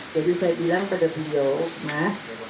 jadi saya bilang pada beliau mas